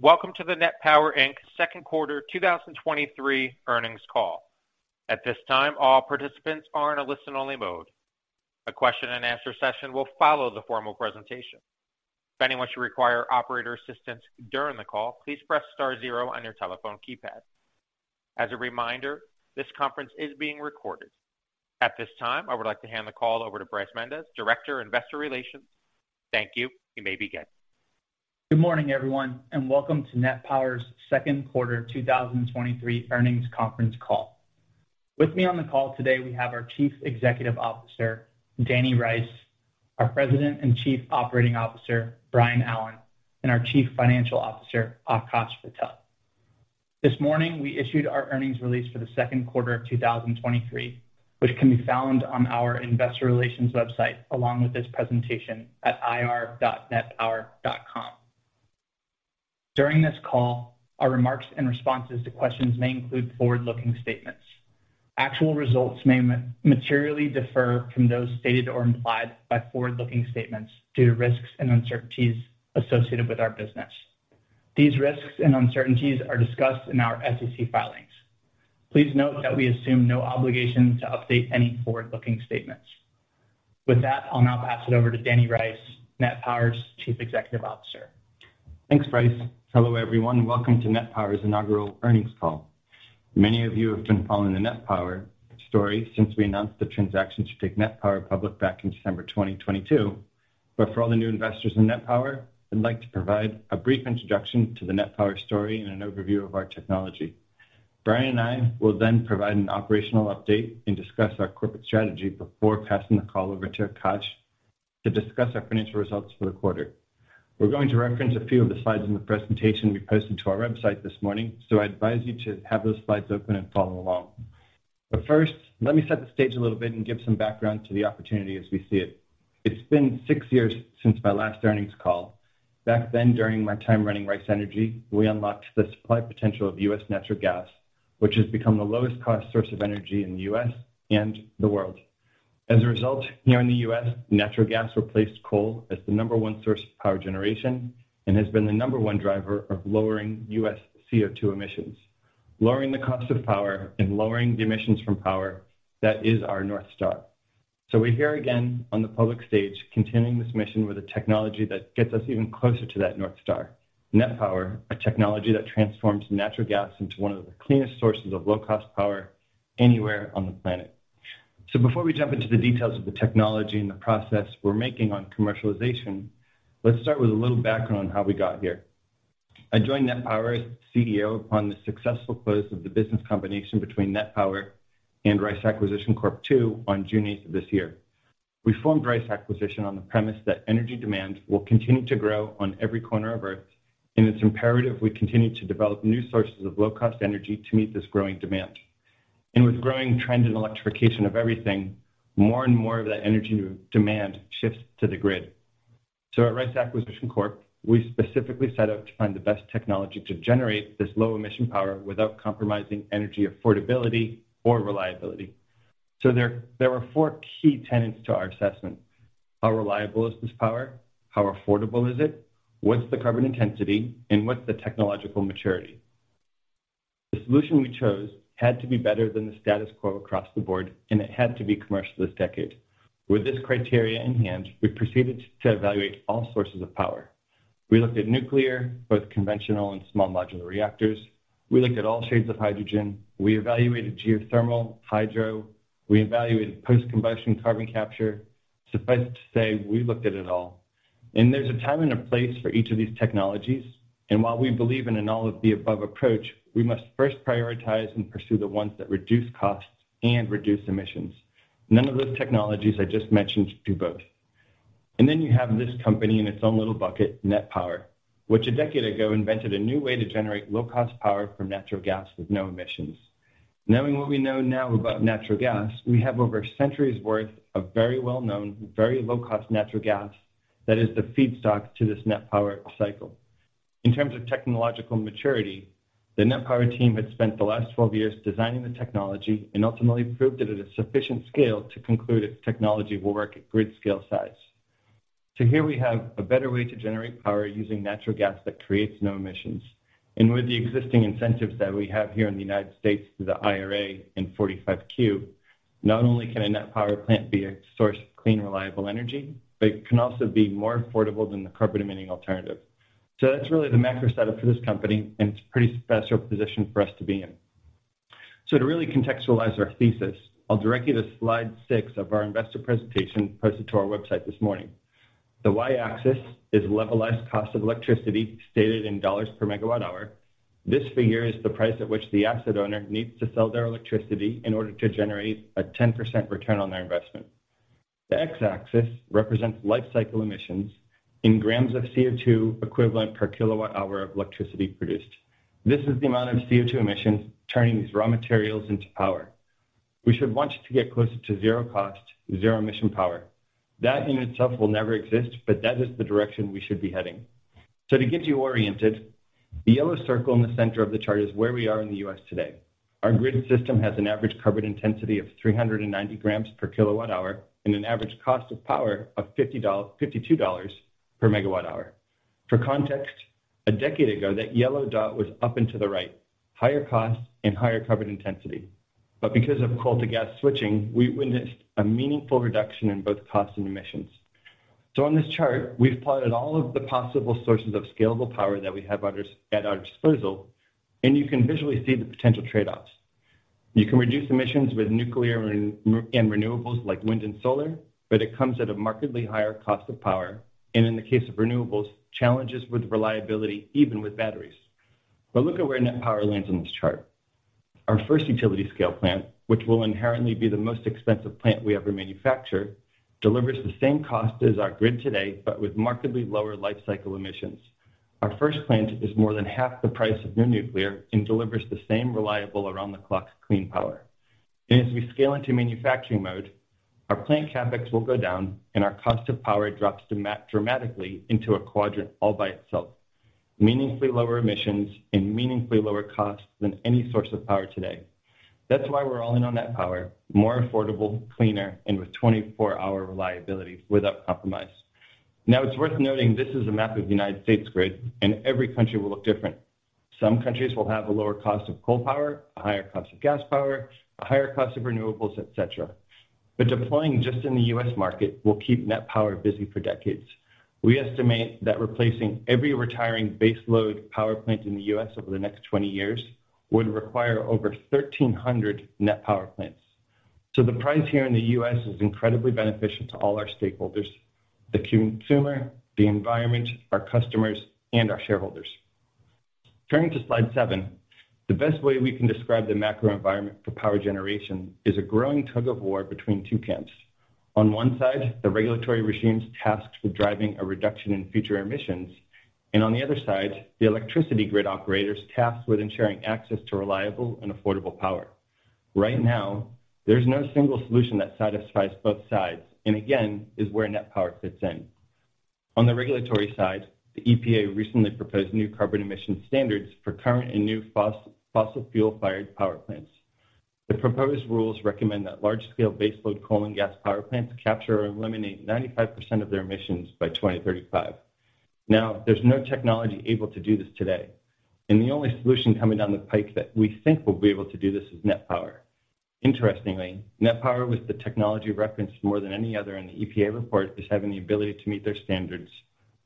Welcome to the NET Power Inc. Second Quarter 2023 Earnings Call. At this time, all participants are in a listen-only mode. A question and answer session will follow the formal presentation. If anyone should require operator assistance during the call, please press star zero on your telephone keypad. As a reminder, this conference is being recorded. At this time, I would like to hand the call over to Bryce Mendes, Director, Investor Relations. Thank you. You may begin. Good morning, everyone, welcome to NET Power's Second Quarter 2023 Earnings Conference Call. With me on the call today, we have our Chief Executive Officer, Danny Rice; our President and Chief Operating Officer, Brian Allen; our Chief Financial Officer, Akash Patel. This morning, we issued our earnings release for the second quarter of 2023, which can be found on our Investor Relations website, along with this presentation at ir.netpower.com. During this call, our remarks and responses to questions may include forward-looking statements. Actual results may materially differ from those stated or implied by forward-looking statements due to risks and uncertainties associated with our business. These risks and uncertainties are discussed in our SEC filings. Please note that we assume no obligation to update any forward-looking statements. With that, I'll now pass it over to Danny Rice, NET Power's Chief Executive Officer. Thanks, Bryce. Hello, everyone, welcome to NET Power's inaugural earnings call. Many of you have been following the NET Power story since we announced the transaction to take NET Power public back in December 2022. For all the new investors in NET Power, I'd like to provide a brief introduction to the NET Power story and an overview of our technology. Brian and I will provide an operational update and discuss our corporate strategy before passing the call over to Akash to discuss our financial results for the quarter. We're going to reference a few of the slides in the presentation we posted to our website this morning, I advise you to have those slides open and follow along. First, let me set the stage a little bit and give some background to the opportunity as we see it. It's been six years since my last earnings call. Back then, during my time running Rice Energy, we unlocked the supply potential of U.S. natural gas, which has become the lowest cost source of energy in the U.S. and the world. As a result, here in the U.S., natural gas replaced coal as the number one source of power generation and has been the number one driver of lowering U.S. CO2 emissions. Lowering the cost of power and lowering the emissions from power, that is our North Star. We're here again on the public stage, continuing this mission with a technology that gets us even closer to that North Star. NET Power, a technology that transforms natural gas into one of the cleanest sources of low-cost power anywhere on the planet. Before we jump into the details of the technology and the process we're making on commercialization, let's start with a little background on how we got here. I joined NET Power as CEO upon the successful close of the business combination between NET Power and Rice Acquisition Corp. II on June 8 of this year. We formed Rice Acquisition on the premise that energy demand will continue to grow on every corner of Earth, and it's imperative we continue to develop new sources of low-cost energy to meet this growing demand. With growing trend in electrification of everything, more and more of that energy demand shifts to the grid. At Rice Acquisition Corp, we specifically set out to find the best technology to generate this low-emission power without compromising energy affordability or reliability. There, there were four key tenets to our assessment: How reliable is this power? How affordable is it? What's the carbon intensity? And what's the technological maturity? The solution we chose had to be better than the status quo across the board, and it had to be commercial this decade. With this criteria in hand, we proceeded to evaluate all sources of power. We looked at nuclear, both conventional and small modular reactors. We looked at all shades of hydrogen. We evaluated geothermal, hydro. We evaluated post-combustion carbon capture. Suffice to say, we looked at it all, and there's a time and a place for each of these technologies, and while we believe in an all-of-the-above approach, we must first prioritize and pursue the ones that reduce costs and reduce emissions. None of those technologies I just mentioned do both. You have this company in its own little bucket, NET Power, which a decade ago invented a new way to generate low-cost power from natural gas with no emissions. Knowing what we know now about natural gas, we have over centuries worth of very well-known, very low-cost natural gas that is the feedstock to this NET Power cycle. In terms of technological maturity, the NET Power team had spent the last 12 years designing the technology and ultimately proved it at a sufficient scale to conclude its technology will work at grid scale size. Here we have a better way to generate power using natural gas that creates no emissions. With the existing incentives that we have here in the United States through the IRA and 45Q, not only can a NET Power plant be a source of clean, reliable energy, but it can also be more affordable than the carbon-emitting alternative. That's really the macro setup for this company, and it's a pretty special position for us to be in. To really contextualize our thesis, I'll direct you to slide 6 of our investor presentation posted to our website this morning. The Y-axis is levelized cost of electricity, stated in $ per megawatt hour. This figure is the price at which the asset owner needs to sell their electricity in order to generate a 10% return on their investment. The X-axis represents life cycle emissions in grams of CO2 equivalent per kilowatt hour of electricity produced. This is the amount of CO2 emissions turning these raw materials into power. We should want it to get closer to zero cost, zero emission power. That in itself will never exist, but that is the direction we should be heading. To get you oriented, the yellow circle in the center of the chart is where we are in the U.S. today. Our grid system has an average carbon intensity of 390 grams per kilowatt hour and an average cost of power of $52 per megawatt hour. For context, a decade ago, that yellow dot was up and to the right, higher cost and higher carbon intensity. Because of coal to gas switching, we witnessed a meaningful reduction in both cost and emissions. On this chart, we've plotted all of the possible sources of scalable power that we have at our disposal, and you can visually see the potential trade-offs. You can reduce emissions with nuclear and renewables like wind and solar, but it comes at a markedly higher cost of power, and in the case of renewables, challenges with reliability, even with batteries. Look at where NET Power lands on this chart. Our first utility-scale plant, which will inherently be the most expensive plant we ever manufacture, delivers the same cost as our grid today, but with markedly lower life cycle emissions. Our first plant is more than half the price of new nuclear and delivers the same reliable around-the-clock clean power. As we scale into manufacturing mode, our plant CapEx will go down and our cost of power drops dramatically into a quadrant all by itself. Meaningfully lower emissions and meaningfully lower costs than any source of power today. That's why we're all in on NET Power, more affordable, cleaner, and with 24-hour reliability without compromise. It's worth noting this is a map of the United States grid, and every country will look different. Some countries will have a lower cost of coal power, a higher cost of gas power, a higher cost of renewables, et cetera. Deploying just in the U.S. market will keep NET Power busy for decades. We estimate that replacing every retiring baseload power plant in the U.S. over the next 20 years would require over 1,300 NET Power plants. The price here in the U.S. is incredibly beneficial to all our stakeholders, the consumer, the environment, our customers, and our shareholders. Turning to slide 7, the best way we can describe the macro environment for power generation is a growing tug-of-war between two camps. On one side, the regulatory regimes tasked with driving a reduction in future emissions, and on the other side, the electricity grid operators tasked with ensuring access to reliable and affordable power. Right now, there's no single solution that satisfies both sides, and again, is where NET Power fits in. On the regulatory side, the EPA recently proposed new carbon emission standards for current and new fossil fuel-fired power plants. The proposed rules recommend that large-scale baseload coal and gas power plants capture or eliminate 95% of their emissions by 2035. Now, there's no technology able to do this today, and the only solution coming down the pike that we think will be able to do this is NET Power. Interestingly, NET Power was the technology referenced more than any other in the EPA report as having the ability to meet their standards,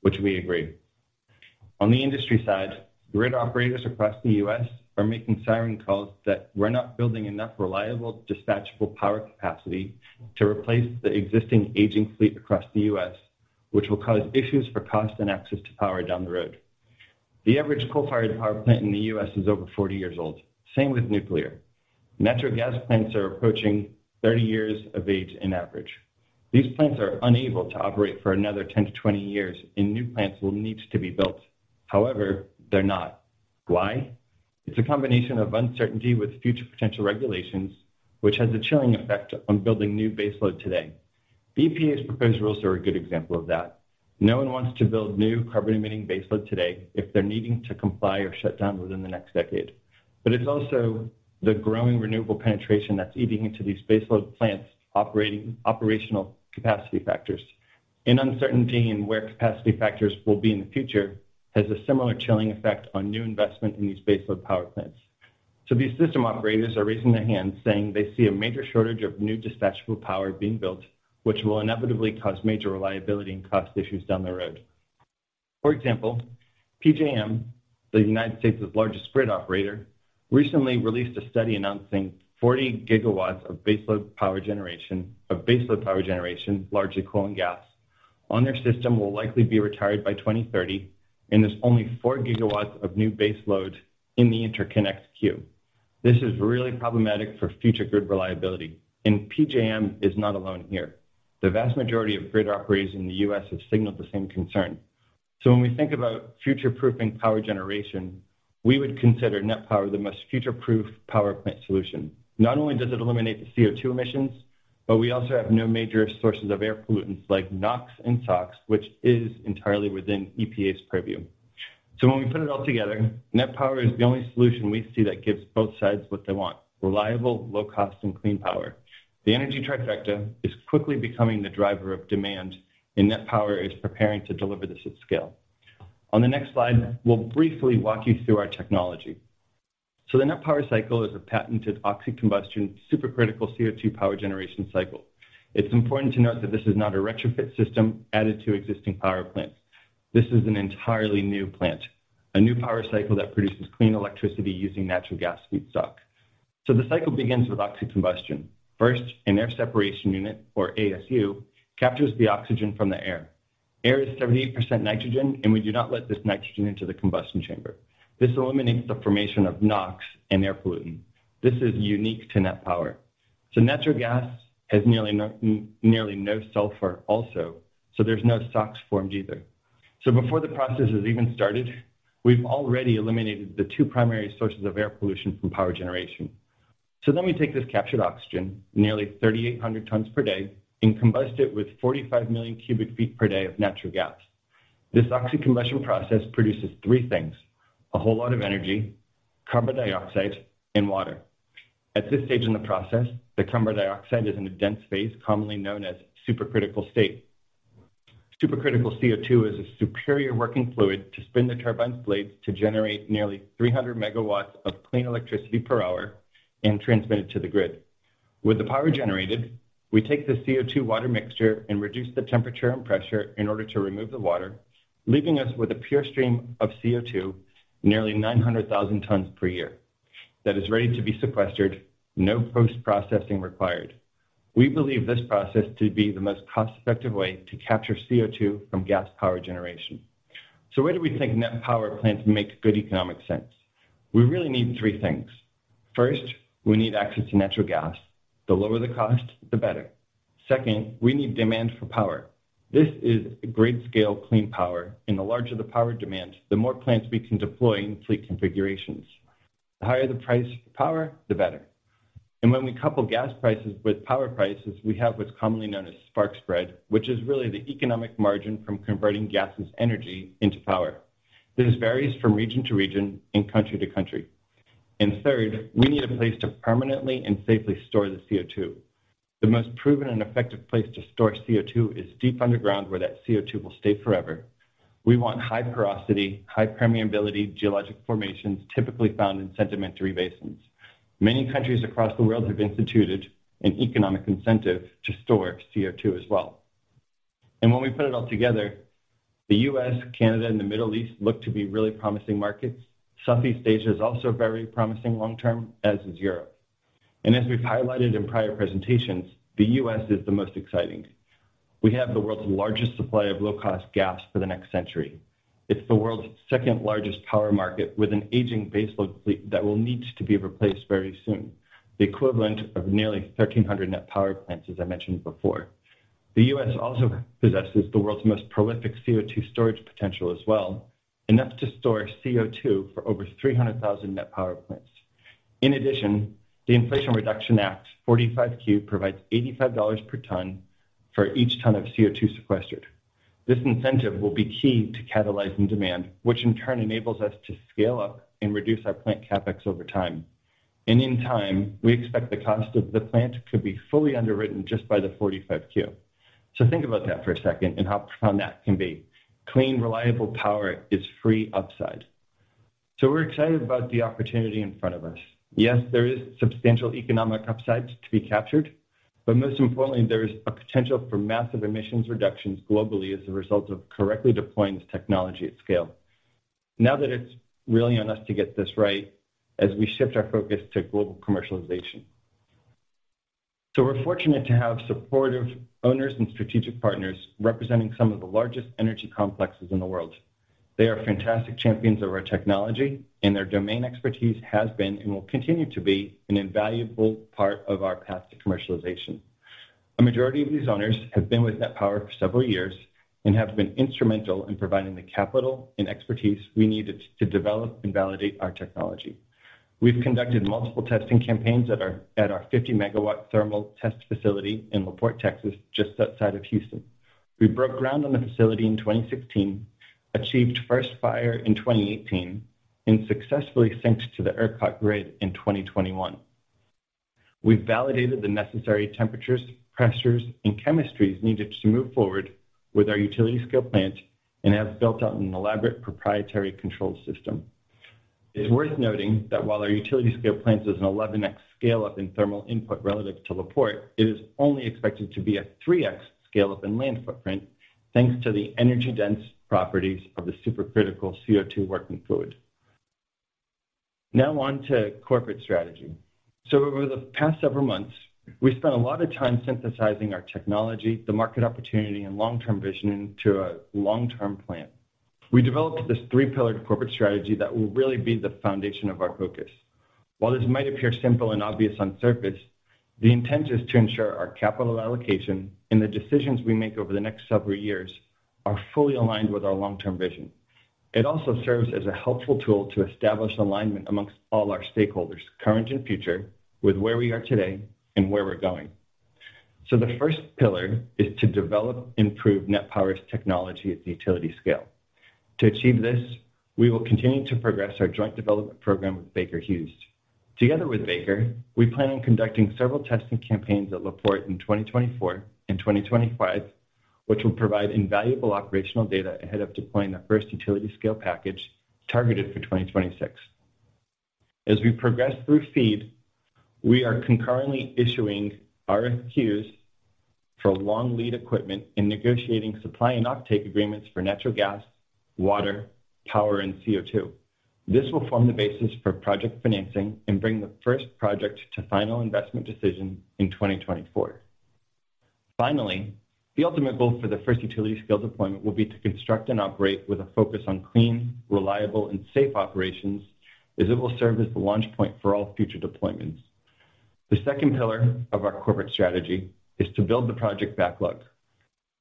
which we agree. On the industry side, grid operators across the U.S. are making siren calls that we're not building enough reliable, dispatchable power capacity to replace the existing aging fleet across the U.S., which will cause issues for cost and access to power down the road. The average coal-fired power plant in the U.S. is over 40 years old. Same with nuclear. Natural gas plants are approaching 30 years of age in average. These plants are unable to operate for another 10-20 years, and new plants will need to be built. However, they're not. Why? It's a combination of uncertainty with future potential regulations, which has a chilling effect on building new baseload today. EPA's proposed rules are a good example of that. No one wants to build new carbon-emitting baseload today if they're needing to comply or shut down within the next decade. It's also the growing renewable penetration that's eating into these baseload plants, operational capacity factors. Uncertainty in where capacity factors will be in the future has a similar chilling effect on new investment in these baseload power plants. These system operators are raising their hands, saying they see a major shortage of new dispatchable power being built, which will inevitably cause major reliability and cost issues down the road. For example, PJM, the United States' largest grid operator, recently released a study announcing 40 gigawatts of baseload power generation, largely coal and gas, on their system will likely be retired by 2030, and there's only 4 gigawatts of new baseload in the interconnect queue. This is really problematic for future grid reliability, and PJM is not alone here. The vast majority of grid operators in the U.S. have signaled the same concern. When we think about future-proofing power generation, we would consider NET Power the most future-proof power plant solution. Not only does it eliminate the CO2 emissions, but we also have no major sources of air pollutants like NOx and SOx, which is entirely within EPA's purview. When we put it all together, NET Power is the only solution we see that gives both sides what they want: reliable, low cost, and clean power. The Energy Trifecta is quickly becoming the driver of demand, and NET Power is preparing to deliver this at scale. On the next slide, we'll briefly walk you through our technology. The NET Power cycle is a patented oxy-combustion, supercritical CO2 power generation cycle. It's important to note that this is not a retrofit system added to existing power plants. This is an entirely new plant, a new power cycle that produces clean electricity using natural gas feedstock. The cycle begins with oxy-combustion. First, an air separation unit, or ASU, captures the oxygen from the air. Air is 78% nitrogen, and we do not let this nitrogen into the combustion chamber. This eliminates the formation of NOx and air pollutant. This is unique to NET Power. Natural gas has nearly no, nearly no sulfur also, so there's no SOx formed either. Before the process has even started, we've already eliminated the two primary sources of air pollution from power generation. Then we take this captured oxygen, nearly 3,800 tons per day, and combust it with 45 million cubic feet per day of natural gas.... This oxy-combustion process produces three things: a whole lot of energy, carbon dioxide, and water. At this stage in the process, the carbon dioxide is in a dense phase, commonly known as supercritical state. Supercritical CO2 is a superior working fluid to spin the turbine blades to generate nearly 300 megawatts of clean electricity per hour and transmit it to the grid. With the power generated, we take the CO2 water mixture and reduce the temperature and pressure in order to remove the water, leaving us with a pure stream of CO2, nearly 900,000 tons per year, that is ready to be sequestered, no post-processing required. We believe this process to be the most cost-effective way to capture CO2 from gas power generation. Where do we think NET Power plants make good economic sense? We really need three things. First, we need access to natural gas. The lower the cost, the better. Second, we need demand for power. This is a great scale, clean power, and the larger the power demand, the more plants we can deploy in fleet configurations. The higher the price of power, the better. When we couple gas prices with power prices, we have what's commonly known as spark spread, which is really the economic margin from converting gas's energy into power. This varies from region to region and country to country. Third, we need a place to permanently and safely store the CO2. The most proven and effective place to store CO2 is deep underground, where that CO2 will stay forever. We want high porosity, high permeability, geologic formations typically found in sedimentary basins. Many countries across the world have instituted an economic incentive to store CO2 as well. When we put it all together, the U.S., Canada, and the Middle East look to be really promising markets. Southeast Asia is also very promising long term, as is Europe. As we've highlighted in prior presentations, the U.S. is the most exciting. We have the world's largest supply of low-cost gas for the next century. It's the world's second-largest power market, with an aging baseload fleet that will need to be replaced very soon, the equivalent of nearly 1,300 NET Power plants, as I mentioned before. The U.S. also possesses the world's most prolific CO2 storage potential as well, enough to store CO2 for over 300,000 NET Power plants. In addition, the Inflation Reduction Act, 45Q, provides $85 per ton for each ton of CO2 sequestered. This incentive will be key to catalyzing demand, which in turn enables us to scale up and reduce our plant CapEx over time. In time, we expect the cost of the plant to be fully underwritten just by the 45Q. Think about that for a second and how profound that can be. Clean, reliable power is free upside. We're excited about the opportunity in front of us. Yes, there is substantial economic upside to be captured, but most importantly, there is a potential for massive emissions reductions globally as a result of correctly deploying this technology at scale. It's really on us to get this right as we shift our focus to global commercialization. We're fortunate to have supportive owners and strategic partners representing some of the largest energy complexes in the world. They are fantastic champions of our technology, and their domain expertise has been, and will continue to be, an invaluable part of our path to commercialization. A majority of these owners have been with NET Power for several years and have been instrumental in providing the capital and expertise we needed to develop and validate our technology. We've conducted multiple testing campaigns at our, at our 50-megawatt thermal test facility in La Porte, Texas, just outside of Houston. We broke ground on the facility in 2016, achieved first fire in 2018, and successfully synced to the ERCOT grid in 2021. We've validated the necessary temperatures, pressures, and chemistries needed to move forward with our utility scale plant and have built out an elaborate proprietary control system. It's worth noting that while our utility scale plant is an 11x scale-up in thermal input relative to La Porte, it is only expected to be a 3x scale-up in land footprint, thanks to the energy-dense properties of the supercritical CO2 working fluid. Now on to corporate strategy. Over the past several months, we've spent a lot of time synthesizing our technology, the market opportunity, and long-term vision into a long-term plan. We developed this three-pillared corporate strategy that will really be the foundation of our focus. While this might appear simple and obvious on surface, the intent is to ensure our capital allocation and the decisions we make over the next several years are fully aligned with our long-term vision. It also serves as a helpful tool to establish alignment amongst all our stakeholders, current and future, with where we are today and where we're going. The first pillar is to develop and improve NET Power's technology at the utility scale. To achieve this, we will continue to progress our joint development program with Baker Hughes. Together with Baker, we plan on conducting several testing campaigns at La Porte in 2024 and 2025, which will provide invaluable operational data ahead of deploying the first utility scale package targeted for 2026. As we progress through FEED, we are concurrently issuing RFQs for long lead equipment and negotiating supply and offtake agreements for natural gas, water, power, and CO2. This will form the basis for project financing and bring the first project to final investment decision in 2024. Finally, the ultimate goal for the first utility scale deployment will be to construct and operate with a focus on clean, reliable, and safe operations, as it will serve as the launch point for all future deployments. The second pillar of our corporate strategy is to build the project backlog.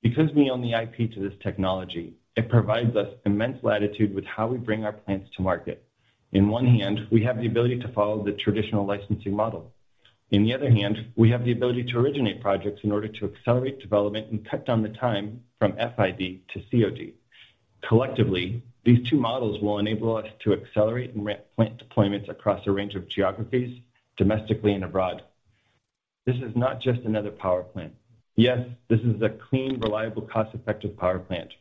Because we own the IP to this technology, it provides us immense latitude with how we bring our plans to market. In one hand, we have the ability to follow the traditional licensing model... On the other hand, we have the ability to originate projects in order to accelerate development and cut down the time from FID to COD. Collectively, these two models will enable us to accelerate and ramp plant deployments across a range of geographies, domestically and abroad. This is not just another power plant. Yes, this is a clean, reliable, cost-effective power plant,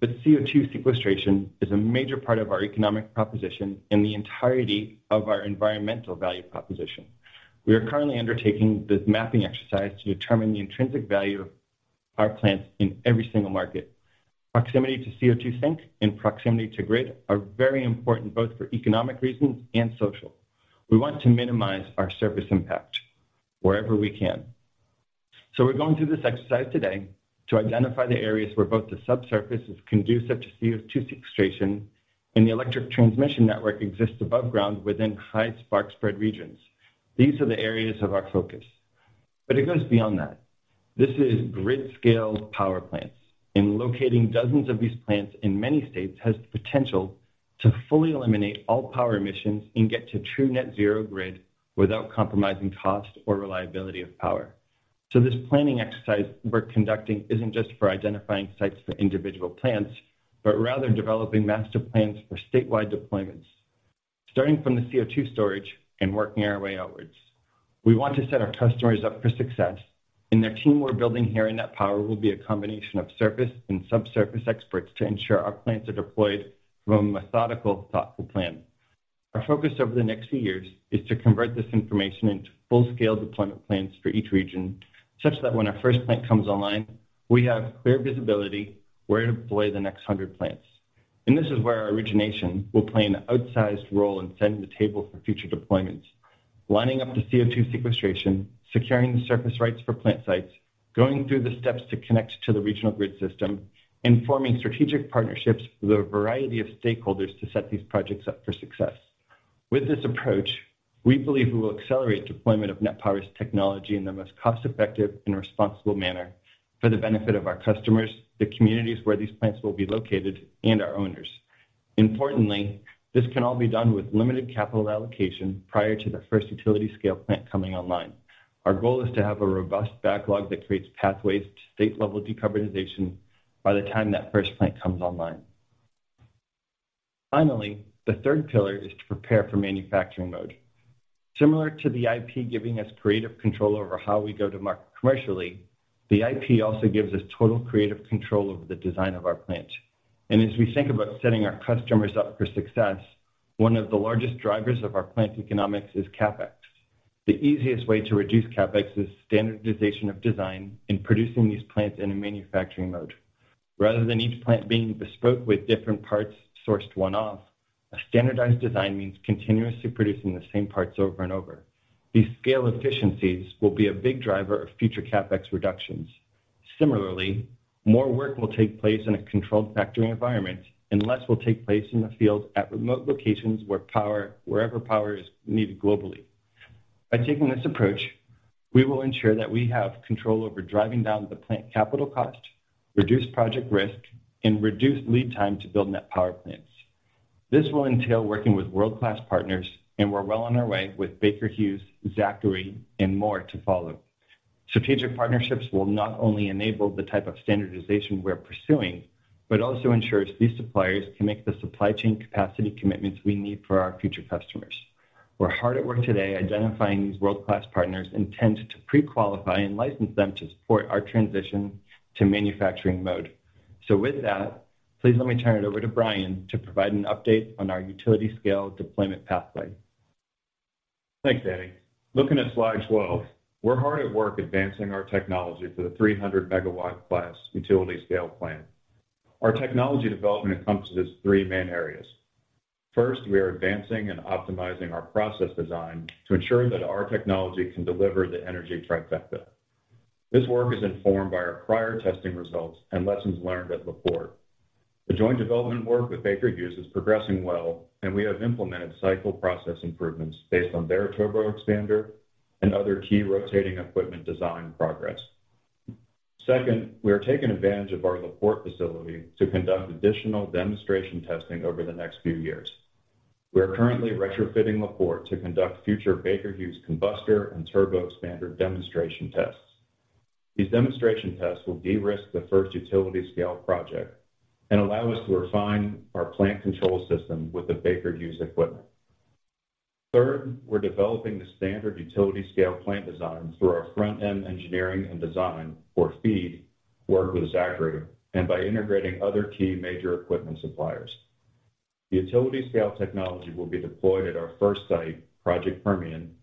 but CO2 sequestration is a major part of our economic proposition and the entirety of our environmental value proposition. We are currently undertaking this mapping exercise to determine the intrinsic value of our plants in every single market. Proximity to CO2 sink and proximity to grid are very important, both for economic reasons and social. We want to minimize our surface impact wherever we can. We're going through this exercise today to identify the areas where both the subsurface is conducive to CO2 sequestration, and the electric transmission network exists above ground within high spark spread regions. These are the areas of our focus. It goes beyond that. This is grid-scale power plants, and locating dozens of these plants in many states has the potential to fully eliminate all power emissions and get to true net zero grid without compromising cost or reliability of power. This planning exercise we're conducting isn't just for identifying sites for individual plants, but rather developing master plans for statewide deployments, starting from the CO2 storage and working our way outwards. We want to set our customers up for success, and the team we're building here in NET Power will be a combination of surface and subsurface experts to ensure our plants are deployed from a methodical, thoughtful plan. Our focus over the next few years is to convert this information into full-scale deployment plans for each region, such that when our first plant comes online, we have clear visibility where to deploy the next 100 plants. This is where our origination will play an outsized role in setting the table for future deployments, lining up the CO2 sequestration, securing the surface rights for plant sites, going through the steps to connect to the regional grid system, and forming strategic partnerships with a variety of stakeholders to set these projects up for success. With this approach, we believe we will accelerate deployment of NET Power's technology in the most cost-effective and responsible manner for the benefit of our customers, the communities where these plants will be located, and our owners. Importantly, this can all be done with limited capital allocation prior to the first utility scale plant coming online. Our goal is to have a robust backlog that creates pathways to state-level decarbonization by the time that first plant comes online. Finally, the third pillar is to prepare for manufacturing mode. Similar to the IP giving us creative control over how we go to market commercially, the IP also gives us total creative control over the design of our plant. As we think about setting our customers up for success, one of the largest drivers of our plant economics is CapEx. The easiest way to reduce CapEx is standardization of design in producing these plants in a manufacturing mode. Rather than each plant being bespoke with different parts sourced one-off, a standardized design means continuously producing the same parts over and over. These scale efficiencies will be a big driver of future CapEx reductions. Similarly, more work will take place in a controlled factory environment, and less will take place in the field at remote locations wherever power is needed globally. By taking this approach, we will ensure that we have control over driving down the plant capital cost, reduce project risk, and reduce lead time to build NET Power plants. This will entail working with world-class partners, and we're well on our way with Baker Hughes, Zachry, and more to follow. Strategic partnerships will not only enable the type of standardization we're pursuing, but also ensures these suppliers can make the supply chain capacity commitments we need for our future customers. We're hard at work today identifying these world-class partners, intent to pre-qualify and license them to support our transition to manufacturing mode. With that, please let me turn it over to Brian to provide an update on our utility scale deployment pathway. Thanks, Danny. Looking at slide 12, we're hard at work advancing our technology for the 300 megawatt class utility-scale plant. Our technology development encompasses three main areas. First, we are advancing and optimizing our process design to ensure that our technology can deliver the Energy Trifecta. This work is informed by our prior testing results and lessons learned at LaPorte. The joint development work with Baker Hughes is progressing well, and we have implemented cycle process improvements based on their turboexpander and other key rotating equipment design progress. Second, we are taking advantage of our LaPorte facility to conduct additional demonstration testing over the next few years. We are currently retrofitting LaPorte to conduct future Baker Hughes combustor and turboexpander demonstration tests. These demonstration tests will de-risk the first utility-scale project and allow us to refine our plant control system with the Baker Hughes equipment. Third, we're developing the standard utility scale plant design through our Front-End Engineering and Design or FEED, work with Zachry, and by integrating other key major equipment suppliers. The utility scale technology will be deployed at our first site, Project Permian,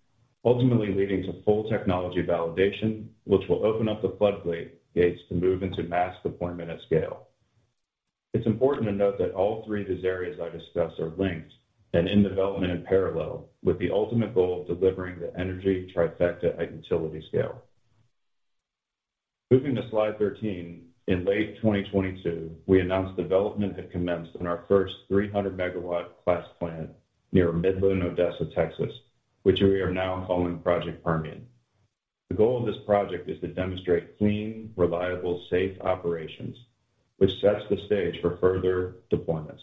ultimately leading to full technology validation, which will open up the floodgates to move into mass deployment at scale. It's important to note that all three of these areas I discussed are linked and in development in parallel, with the ultimate goal of delivering the Energy Trifecta at utility scale. Moving to slide 13, in late 2022, we announced development had commenced in our first 300 MW class plant near Midland, Odessa, Texas, which we are now calling Project Permian. The goal of this project is to demonstrate clean, reliable, safe operations, which sets the stage for further deployments.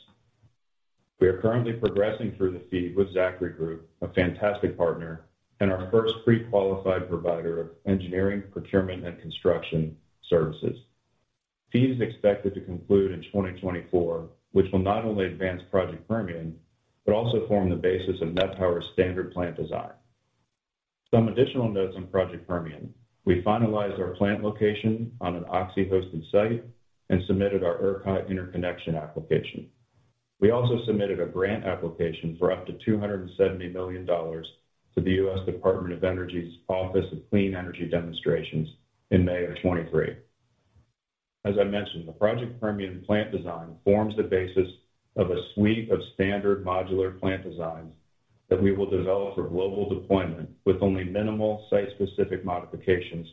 We are currently progressing through the FEED with Zachry Group, a fantastic partner, and our first pre-qualified provider of engineering, procurement, and construction services. FEED is expected to conclude in 2024, which will not only advance Project Permian, but also form the basis of NET Power's standard plant design. Some additional notes on Project Permian. We finalized our plant location on an Oxy-hosted site and submitted our ERCOT interconnection application. We also submitted a grant application for up to $270 million to the U.S. Department of Energy's Office of Clean Energy Demonstrations in May of 2023. As I mentioned, the Project Permian plant design forms the basis of a suite of standard modular plant designs that we will develop for global deployment, with only minimal site-specific modifications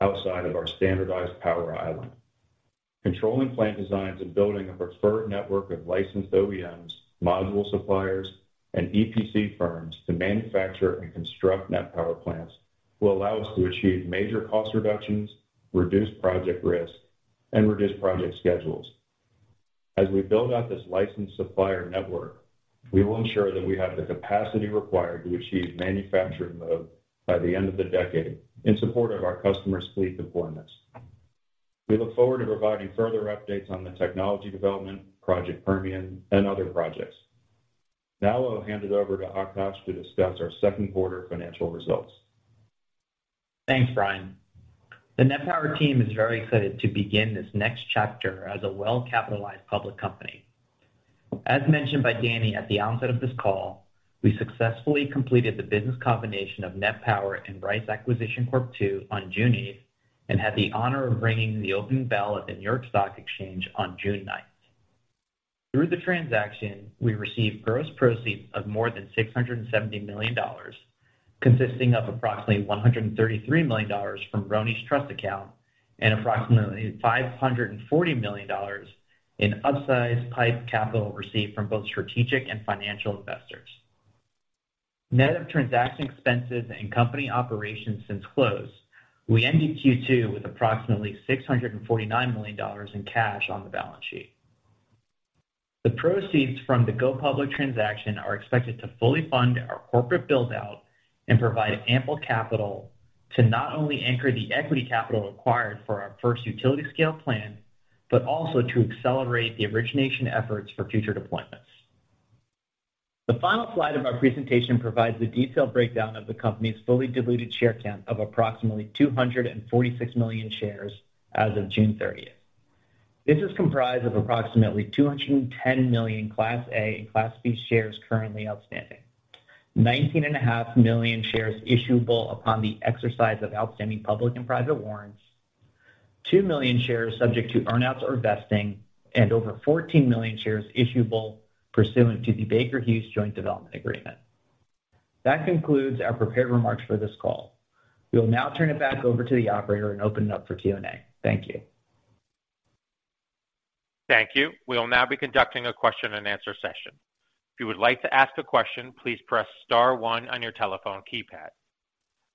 outside of our standardized power island. Controlling plant designs and building a preferred network of licensed OEMs, module suppliers, and EPC firms to manufacture and construct NET Power plants will allow us to achieve major cost reductions, reduce project risk, and reduce project schedules. As we build out this licensed supplier network, we will ensure that we have the capacity required to achieve manufacturing mode by the end of the decade in support of our customers' fleet deployments. We look forward to providing further updates on the technology development, Project Permian, and other projects. I'll hand it over to Akash to discuss our second quarter financial results. Thanks, Brian. The NET Power team is very excited to begin this next chapter as a well-capitalized public company. As mentioned by Danny at the onset of this call, we successfully completed the business combination of NET Power and Rice Acquisition Corp. II on June 8th, had the honor of ringing the opening bell at the New York Stock Exchange on June 9th. Through the transaction, we received gross proceeds of more than $670 million, consisting of approximately $133 million from RONI's trust account and approximately $540 million in upsized PIPE capital received from both strategic and financial investors. Net of transaction expenses and company operations since close, we ended Q2 with approximately $649 million in cash on the balance sheet. The proceeds from the go-public transaction are expected to fully fund our corporate build-out and provide ample capital to not only anchor the equity capital required for our first utility-scale plan, but also to accelerate the origination efforts for future deployments. The final slide of our presentation provides a detailed breakdown of the company's fully diluted share count of approximately 246 million shares as of June 30th. This is comprised of approximately 210 million Class A and Class B shares currently outstanding. 19.5 million shares issuable upon the exercise of outstanding public and private warrants, 2 million shares subject to earn-outs or vesting, and over 14 million shares issuable pursuant to the Baker Hughes Joint Development Agreement. That concludes our prepared remarks for this call. We will now turn it back over to the operator and open it up for Q&A. Thank you. Thank you. We will now be conducting a question-and-answer session. If you would like to ask a question, please press star one on your telephone keypad.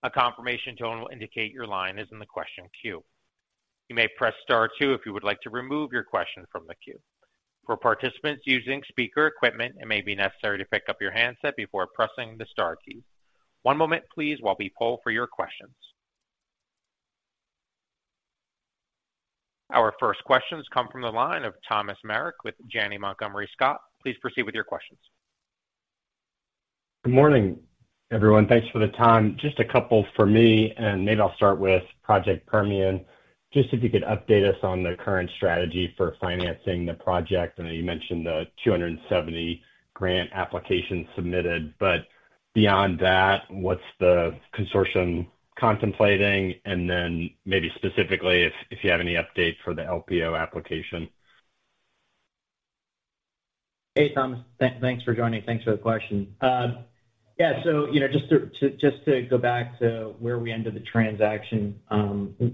A confirmation tone will indicate your line is in the question queue. You may press star two if you would like to remove your question from the queue. For participants using speaker equipment, it may be necessary to pick up your handset before pressing the star key. One moment, please, while we poll for your questions. Our first questions come from the line of Thomas Merrick with Janney Montgomery Scott. Please proceed with your questions. Good morning, everyone. Thanks for the time. Just a couple for me, and maybe I'll start with Project Permian. Just if you could update us on the current strategy for financing the project. I know you mentioned the $270 grant application submitted, but beyond that, what's the consortium contemplating? Then maybe specifically, if, if you have any updates for the LPO application. Hey, Thomas. Thanks for joining. Thanks for the question. Yeah, you know, just to, to, just to go back to where we ended the transaction,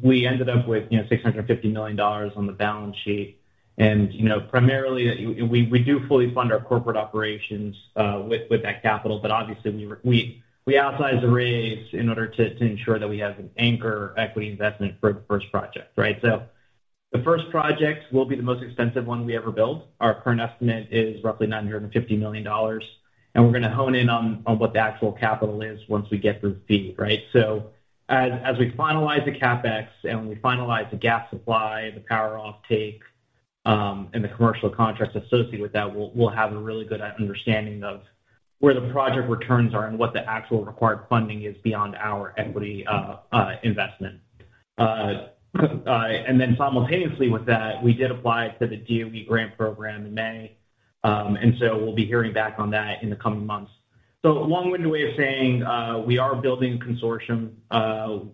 we ended up with, you know, $650 million on the balance sheet. You know, primarily, we, we do fully fund our corporate operations with, with that capital, but obviously, we, we, we outsized the raise in order to, to ensure that we have an anchor equity investment for the first project, right? The first project will be the most expensive one we ever built. Our current estimate is roughly $950 million, and we're going to hone in on, on what the actual capital is once we get the FEED, right? As we finalize the CapEx and we finalize the gas supply, the power offtake, and the commercial contracts associated with that, we'll have a really good understanding of where the project returns are and what the actual required funding is beyond our equity investment. And then simultaneously with that, we did apply for the DOE grant program in May. And so we'll be hearing back on that in the coming months. Long-winded way of saying, we are building consortium.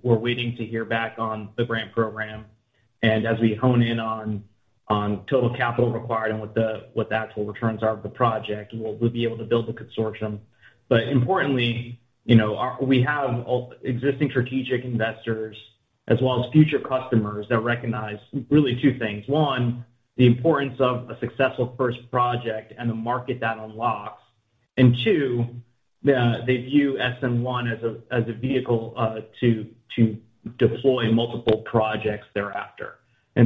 We're waiting to hear back on the grant program, and as we hone in on total capital required and what the actual returns are of the project, we'll be able to build the consortium. Importantly, you know, our existing strategic investors as well as future customers that recognize really two things. One, the importance of a successful first project and the market that unlocks. Two, they view SN1 as a, as a vehicle, to, to deploy multiple projects thereafter.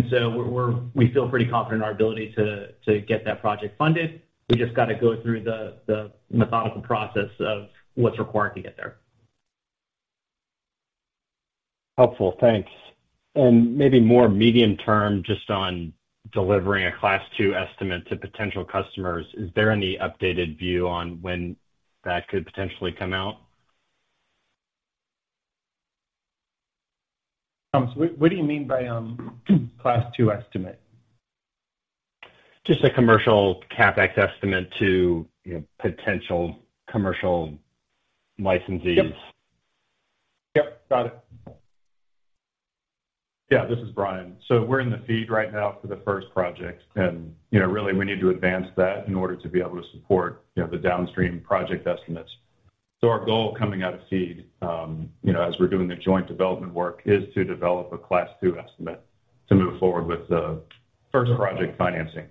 So we feel pretty confident in our ability to, to get that project funded. We just got to go through the, the methodical process of what's required to get there. Helpful, thanks. Maybe more medium term, just on delivering a Class II estimate to potential customers, is there any updated view on when that could potentially come out? What, what do you mean by Class II estimate? Just a commercial CapEx estimate to, you know, potential commercial licensees. Yep. Yep, got it. Yeah, this is Brian. we're in the FEED right now for the first project, and, you know, really, we need to advance that in order to be able to support, you know, the downstream project estimates. our goal coming out of FEED, you know, as we're doing the joint development work, is to develop a Class II estimate to move forward with the first project financing.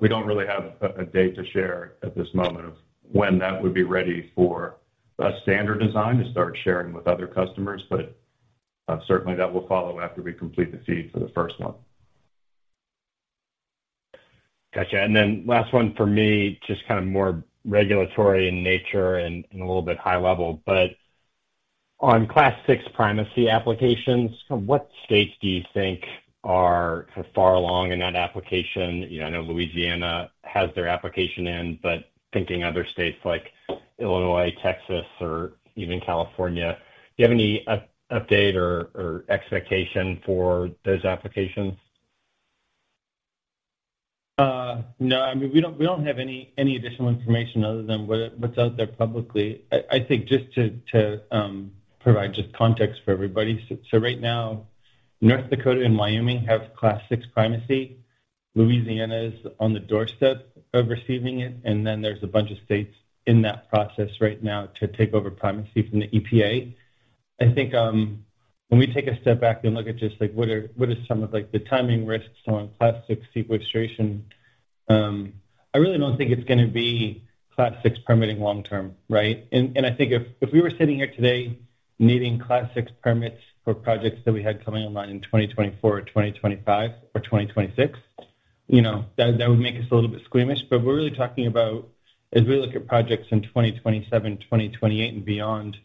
we don't really have a, a date to share at this moment of when that would be ready for a standard design to start sharing with other customers, but, certainly that will follow after we complete the FEED for the first one. Gotcha. Then last one for me, just kind of more regulatory in nature and, and a little bit high level, but on Class VI primacy applications, what states do you think are far along in that application? You know, I know Louisiana has their application in, but thinking other states like Illinois, Texas, or even California, do you have any update or, or expectation for those applications? No, I mean, we don't, we don't have any, any additional information other than what, what's out there publicly. I, I think just to, to provide just context for everybody. Right now, North Dakota and Wyoming have Class VI primacy. Louisiana is on the doorstep of receiving it, and then there's a bunch of states in that process right now to take over primacy from the EPA. I think, when we take a step back and look at just like, what are, what are some of, like, the timing risks on Class VI sequestration, I really don't think it's gonna be Class VI permitting long term, right? I think if, if we were sitting here today needing Class VI permits for projects that we had coming online in 2024 or 2025 or 2026, you know, that, that would make us a little bit squeamish. We're really talking about as we look at projects in 2027, 2028 and beyond,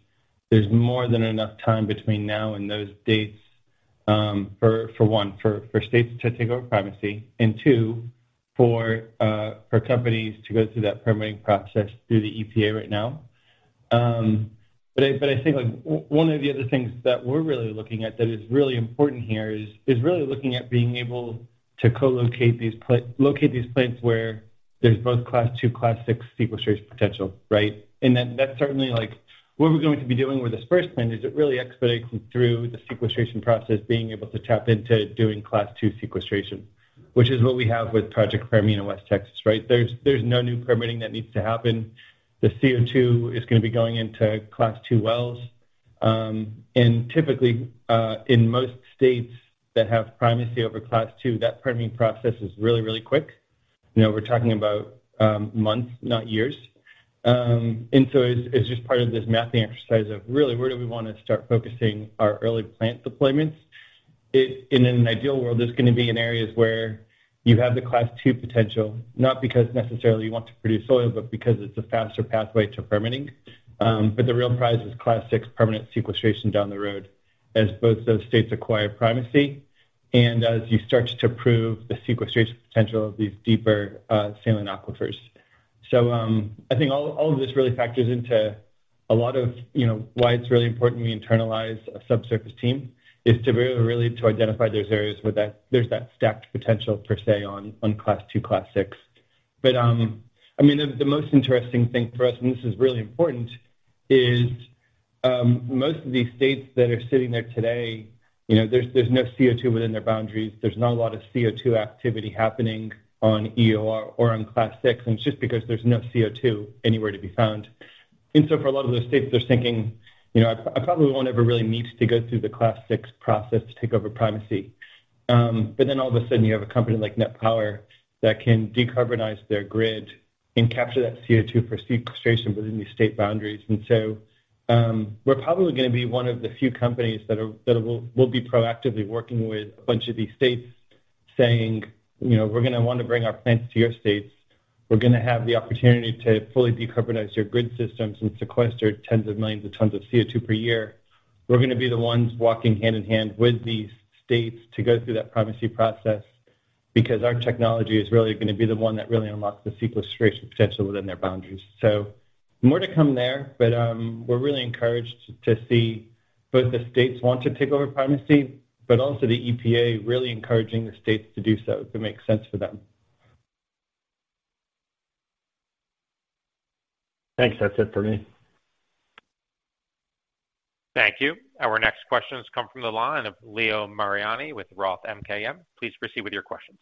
there's more than enough time between now and those dates, for, for one, for, for states to take over primacy, and two, for companies to go through that permitting process through the EPA right now. But I, but I think, like, one of the other things that we're really looking at that is really important here is, is really looking at being able to co-locate these locate these plants where there's both Class II, Class VI sequestration potential, right? That's certainly, like, what we're going to be doing with this first plant, is it really expediting through the sequestration process, being able to tap into doing Class II sequestration, which is what we have with Project Permian in West Texas, right? There's, there's no new permitting that needs to happen. The CO2 is gonna be going into Class II wells. Typically, in most states that have primacy over Class II, that permitting process is really, really quick. You know, we're talking about months, not years. So it's, it's just part of this mapping exercise of really where do we wanna start focusing our early plant deployments. In an ideal world, it's gonna be in areas where you have the Class II potential, not because necessarily you want to produce oil, but because it's a faster pathway to permitting. The real prize is Class VI permanent sequestration down the road as both those states acquire primacy and as you start to prove the sequestration potential of these deeper, saline aquifers. I think all, all of this really factors into a lot of, you know, why it's really important we internalize a subsurface team, is to be able really to identify those areas where there's that stacked potential per se, on, on Class II, Class VI. I mean, the, the most interesting thing for us, and this is really important, is, most of these states that are sitting there today, you know, there's, there's no CO2 within their boundaries. There's not a lot of CO2 activity happening on EOR or on Class VI, and it's just because there's no CO2 anywhere to be found. For a lot of those states, they're thinking, you know, "I, I probably won't ever really need to go through the Class VI process to take over primacy." All of a sudden, you have a company like NET Power that can decarbonize their grid and capture that CO2 for sequestration within these state boundaries. We're probably gonna be one of the few companies that will be proactively working with a bunch of these states saying, you know, "We're gonna want to bring our plants to your states. We're gonna have the opportunity to fully decarbonize your grid systems and sequester tens of millions of tons of CO2 per year. We're gonna be the ones walking hand in hand with these states to go through that primacy process because our technology is really gonna be the one that really unlocks the sequestration potential within their boundaries. More to come there, but, we're really encouraged to see both the states want to take over primacy, but also the EPA really encouraging the states to do so if it makes sense for them. Thanks. That's it for me. Thank you. Our next question has come from the line of Leo Mariani with Roth MKM. Please proceed with your questions.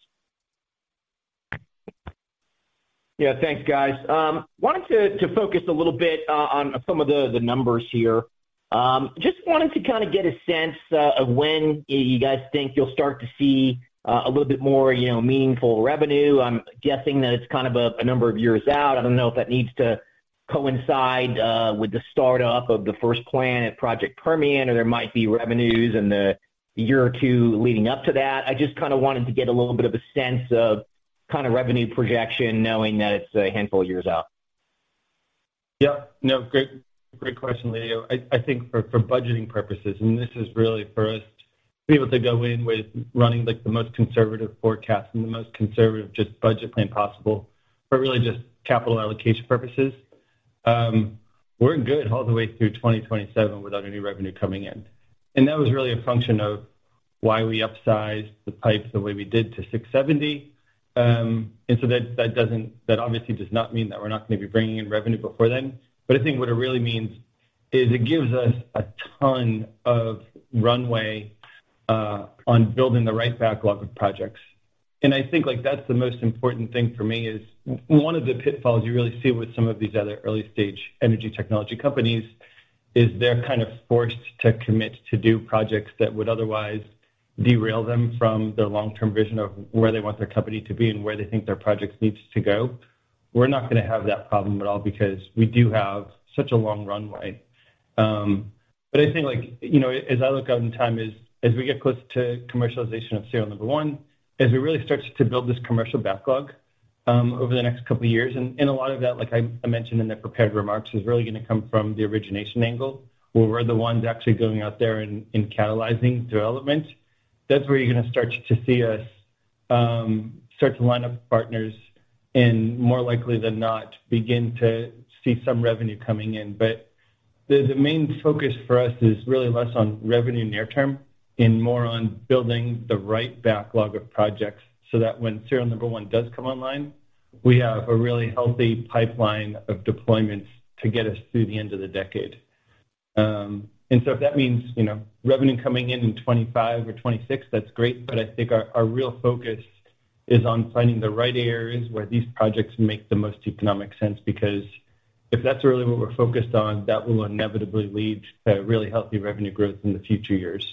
Yeah, thanks, guys. Wanted to focus a little bit on some of the numbers here. Just wanted to kind of get a sense of when you guys think you'll start to see a little bit more, you know, meaningful revenue. I'm guessing that it's kind of a number of years out. I don't know if that needs to coincide with the startup of the first plant at Project Permian, or there might be revenues in the year or two leading up to that. I just kind of wanted to get a little bit of a sense of kind of revenue projection, knowing that it's a handful of years out. Yeah. No, great, great question, Leo. I, I think for, for budgeting purposes. This is really for us to be able to go in with running, like, the most conservative forecast and the most conservative just budget plan possible, but really just capital allocation purposes. We're good all the way through 2027 without any revenue coming in. That was really a function of why we upsized the pipes the way we did to $670. So that, that obviously does not mean that we're not gonna be bringing in revenue before then. I think what it really means is it gives us a ton of runway on building the right backlog of projects. I think, like, that's the most important thing for me is, one of the pitfalls you really see with some of these other early-stage energy technology companies, is they're kind of forced to commit to do projects that would otherwise derail them from their long-term vision of where they want their company to be and where they think their projects needs to go. We're not gonna have that problem at all because we do have such a long runway. I think, like, you know, as I look out in time, is as we get close to commercialization of serial number one, as we really start to build this commercial backlog over the next couple of years, and a lot of that, like I mentioned in the prepared remarks, is really gonna come from the origination angle, where we're the ones actually going out there and catalyzing development. That's where you're gonna start to see us start to line up partners and, more likely than not, begin to see some revenue coming in. The main focus for us is really less on revenue near term and more on building the right backlog of projects, so that when serial number one does come online, we have a really healthy pipeline of deployments to get us through the end of the decade. If that means, you know, revenue coming in in '25 or '26, that's great. I think our, our real focus is on finding the right areas where these projects make the most economic sense, because if that's really what we're focused on, that will inevitably lead to really healthy revenue growth in the future years.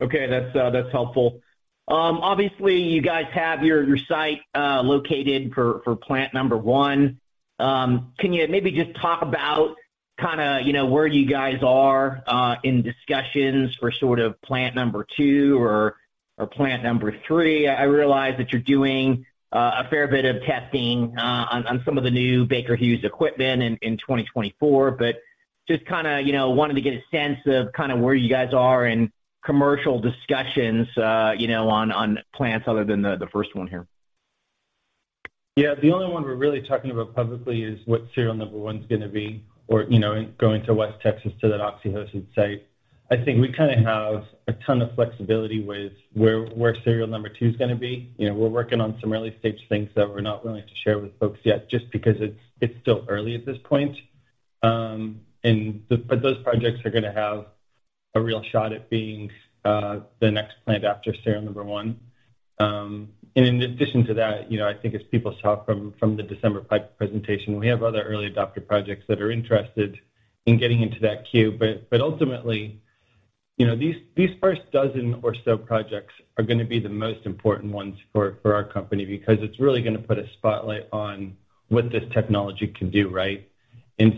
Okay. That's that's helpful. Obviously, you guys have your, your site located for, for plant number one. Can you maybe just talk about kind of, you know, where you guys are in discussions for sort of plant number two or, or plant number three? I, I realize that you're doing a fair bit of testing on some of the new Baker Hughes equipment in 2024. Just kind of, you know, wanted to get a sense of kind of where you guys are in commercial discussions, you know, on plants other than the, the first one here. Yeah. The only one we're really talking about publicly is what serial number one's gonna be or, you know, in going to West Texas to that Oxy hosted site. I think we kind of have a ton of flexibility with where, where serial number two is gonna be. You know, we're working on some early stage things that we're not willing to share with folks yet, just because it's, it's still early at this point. Those projects are gonna have a real shot at being the next plant after serial number one. In addition to that, you know, I think as people saw from the December PIPE presentation, we have other early adopter projects that are interested in getting into that queue. Ultimately, you know, these, these first dozen or so projects are gonna be the most important ones for, for our company, because it's really gonna put a spotlight on what this technology can do, right?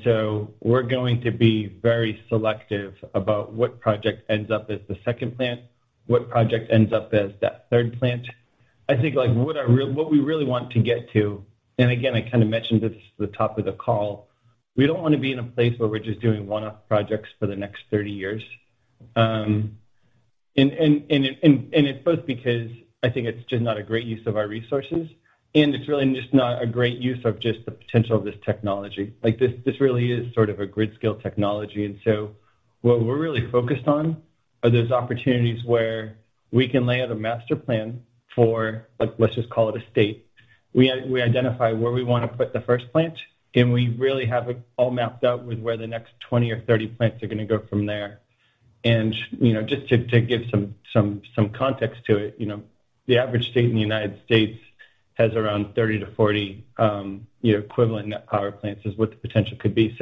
So we're going to be very selective about what project ends up as the second plant, what project ends up as that third plant. I think, like, what we really want to get to, and again, I kind of mentioned this at the top of the call, we don't wanna be in a place where we're just doing one-off projects for the next 30 years. And it's both because I think it's just not a great use of our resources, and it's really just not a great use of just the potential of this technology. Like, this, this really is sort of a grid-scale technology. So what we're really focused on are those opportunities where we can lay out a master plan for, like, let's just call it a state. We we identify where we wanna put the first plant, and we really have it all mapped out with where the next 20 or 30 plants are gonna go from there. You know, just to, to give some, some, some context to it, you know, the average state in the United States has around 30 to 40, you know, equivalent NET Power plants is what the potential could be.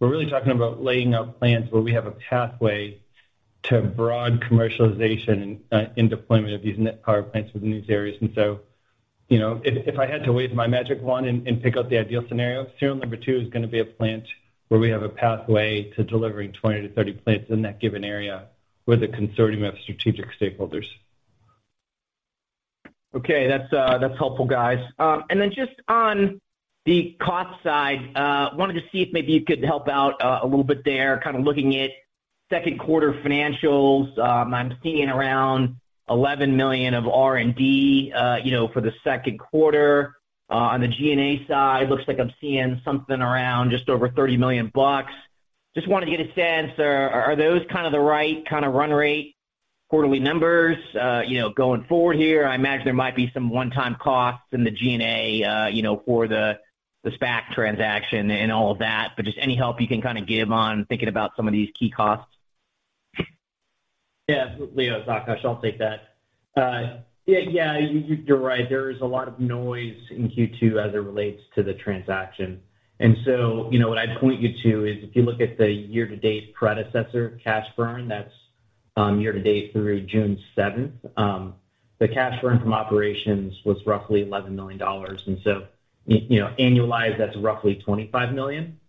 We're really talking about laying out plants where we have a pathway to broad commercialization and in deployment of these NET Power plants within these areas. You know, if, if I had to wave my magic wand and, and pick out the ideal scenario, SN2 is gonna be a plant where we have a pathway to delivering 20-30 plants in that given area with a consortium of strategic stakeholders. Okay. That's that's helpful, guys. Just on the cost side, wanted to see if maybe you could help out a little bit there, kind of looking at second quarter financials. I'm seeing around $11 million of R&D, you know, for the second quarter. On the G&A side, looks like I'm seeing something around just over $30 million. Just wanted to get a sense, are, are, are those kind of the right kind of run rate quarterly numbers, you know, going forward here? I imagine there might be some one-time costs in the G&A, you know, for the, the SPAC transaction and all of that, but just any help you can kind of give on thinking about some of these key costs? Yeah, Leo, it's Akash. I'll take that. Yeah, yeah, you, you're right. There is a lot of noise in Q2 as it relates to the transaction. You know, what I'd point you to is, if you look at the year-to-date predecessor, cash burn, that's, year-to-date through June 7th. The cash burn from operations was roughly $11 million. You know, annualized, that's roughly $25 million.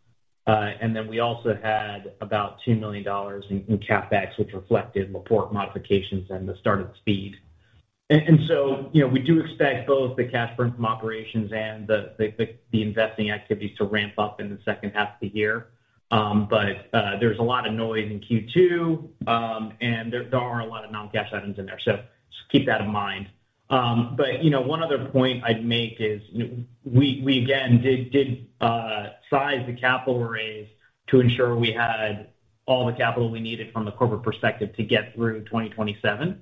Then we also had about $2 million in CapEx, which reflected LaPorte modifications and the start of FEED. You know, we do expect both the cash burn from operations and the investing activities to ramp up in the second half of the year. There's a lot of noise in Q2, and there, there are a lot of non-cash items in there. Just keep that in mind. You know, one other point I'd make is, we, we, again, did, did, size the capital raise to ensure we had all the capital we needed from the corporate perspective to get through 2027.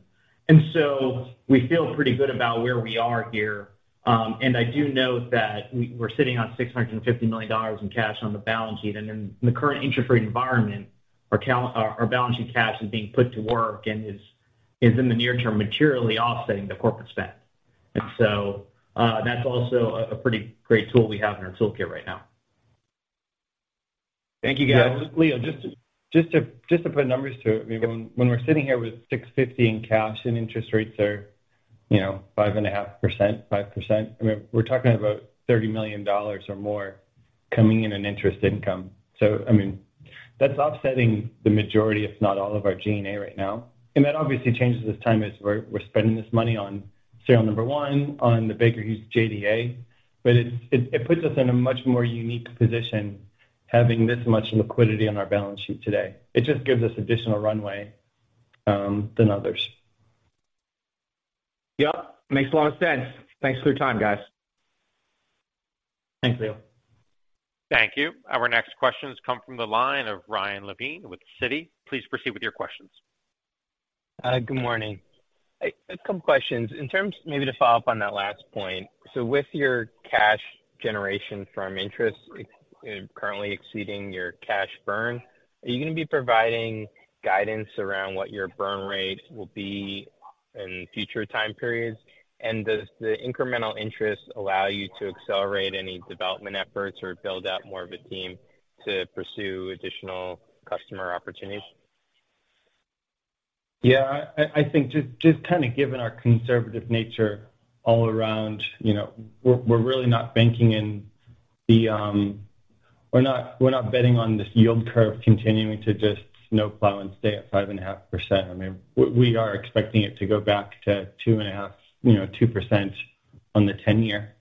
We feel pretty good about where we are here. I do note that we're sitting on $650 million in cash on the balance sheet. In the current interest rate environment, our balance sheet cash is being put to work and is, is, in the near term, materially offsetting the corporate spend. That's also a, a pretty great tool we have in our toolkit right now. Thank you, guys. Leo, just to, just to, just to put numbers to it, I mean, when, when we're sitting here with $650 million in cash, and interest rates are, you know, 5.5%, 5%, I mean, we're talking about $30 million or more coming in, in interest income. I mean, that's offsetting the majority, if not all, of our G&A right now. That obviously changes as we're, we're spending this money on serial number one, on the Baker Hughes JDA. It, it puts us in a much more unique position, having this much liquidity on our balance sheet today. It just gives us additional runway than others. Yep, makes a lot of sense. Thanks for your time, guys. Thanks, Leo. Thank you. Our next questions come from the line of Ryan Levine with Citi. Please proceed with your questions. Good morning. I have a couple questions. Maybe to follow up on that last point, with your cash generation from interest, it currently exceeding your cash burn, are you going to be providing guidance around what your burn rate will be in future time periods? Does the incremental interest allow you to accelerate any development efforts or build out more of a team to pursue additional customer opportunities? Yeah, I, I, I think just, just kind of given our conservative nature all around, you know, we're, we're really not banking in the... We're not, we're not betting on this yield curve continuing to just snowplow and stay at 5.5%. I mean, we, we are expecting it to go back to 2.5%, you know, 2% on the 10-year.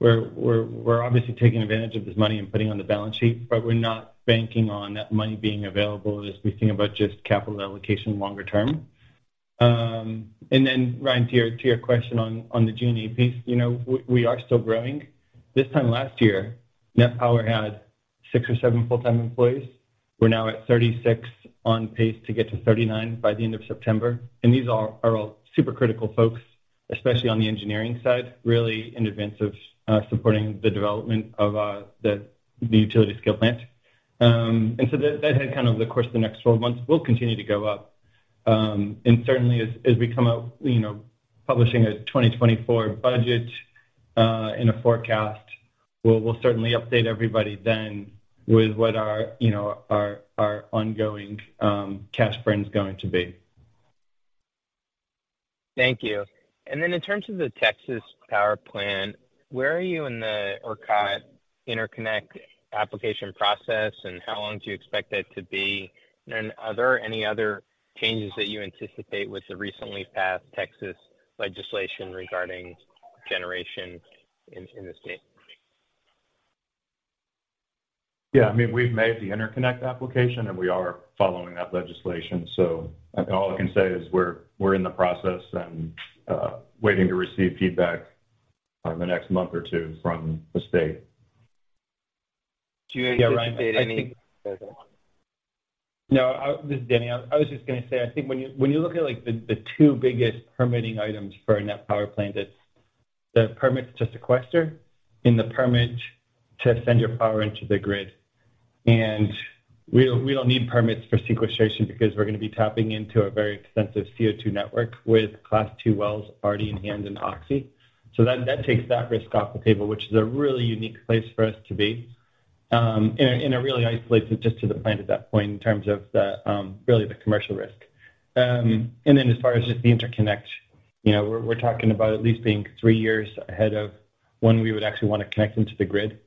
We're obviously taking advantage of this money and putting it on the balance sheet, but we're not banking on that money being available as we think about just capital allocation longer term. Then, Ryan, to your, to your question on, on the G&A piece, you know, we, we are still growing. This time last year, NET Power had six or seven full-time employees. We're now at 36, on pace to get to 39 by the end of September. These are, are all supercritical folks, especially on the engineering side, really in advance of supporting the development of the utility-scale plant. That, that has kind of the course of the next 12 months, will continue to go up. Certainly as, as we come out, you know, publishing a 2024 budget and a forecast, we'll, we'll certainly update everybody then with what our, you know, our, our ongoing cash burn is going to be. Thank you. Then in terms of the Texas Power plan, where are you in the ERCOT Interconnect application process, and how long do you expect that to be? Are there any other changes that you anticipate with the recently passed Texas legislation regarding generation in the state? Yeah, I mean, we've made the interconnect application, and we are following that legislation. All I can say is we're in the process and waiting to receive feedback on the next month or two from the state. Do you anticipate any- No, this is Danny. I was just gonna say, I think when you, when you look at, like, the, the two biggest permitting items for a NET Power plant, it's the permits to sequester and the permit to send your power into the grid. We don't, we don't need permits for sequestration because we're gonna be tapping into a very extensive CO2 network with Class II wells already in hand in Oxy. That, that takes that risk off the table, which is a really unique place for us to be, and it really isolates it just to the plant at that point in terms of the really the commercial risk. Then as far as just the interconnect, you know, we're, we're talking about at least being three years ahead of when we would actually want to connect into the grid.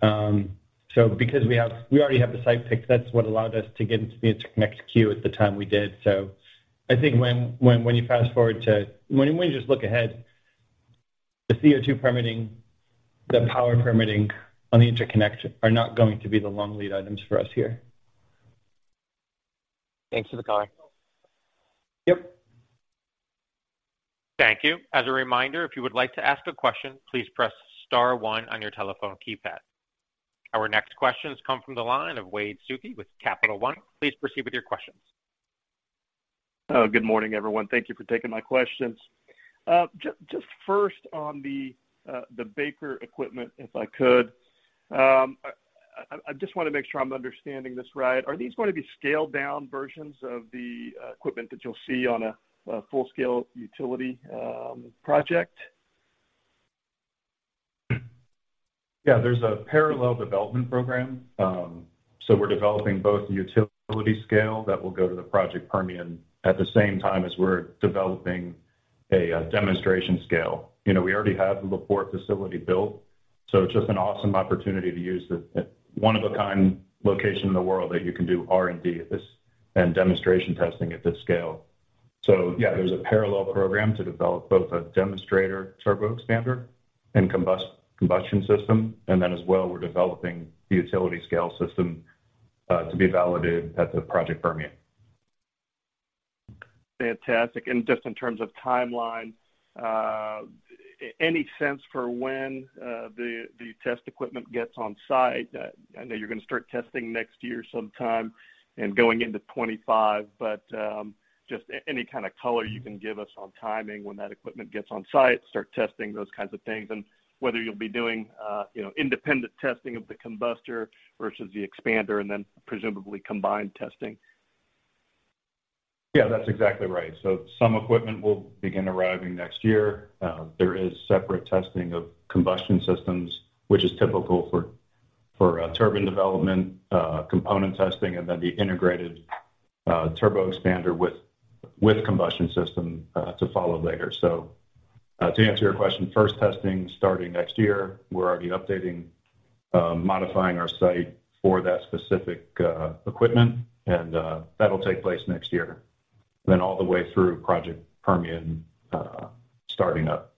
Because we already have the site picked, that's what allowed us to get into the interconnect queue at the time we did. I think when you fast-forward when you just look ahead, the CO2 permitting, the power permitting on the interconnect are not going to be the long lead items for us here. Thanks for the call. Yep. Thank you. As a reminder, if you would like to ask a question, please press star one on your telephone keypad. Our next questions come from the line of Wade Suki with Capital One. Please proceed with your questions. Good morning, everyone. Thank you for taking my questions. Just, just first on the Baker equipment, if I could. I, I, I just want to make sure I'm understanding this right. Are these going to be scaled-down versions of the equipment that you'll see on a full-scale utility project? Yeah. There's a parallel development program. We're developing both the utility scale that will go to the Project Permian at the same time as we're developing a demonstration scale. You know, we already have the LaPorte facility built, it's just an awesome opportunity to use the one-of-a-kind location in the world that you can do R&D and demonstration testing at this scale. Yeah. There's a parallel program to develop both a demonstrator turboexpander and combustion system, then as well, we're developing the utility scale system to be validated at the Project Permian. Fantastic. Just in terms of timeline, any sense for when the test equipment gets on site? I know you're gonna start testing next year sometime and going into '25, but just any kind of color you can give us on timing when that equipment gets on site, start testing, those kinds of things. Whether you'll be doing, you know, independent testing of the combustor versus the expander, and then presumably combined testing. Yeah, that's exactly right. Some equipment will begin arriving next year. There is separate testing of combustion systems, which is typical for, for turbine development, component testing, and then the integrated turboexpander with, with combustion system to follow later. To answer your question, first testing starting next year. We're already updating, modifying our site for that specific equipment, and that'll take place next year, then all the way through Project Permian starting up.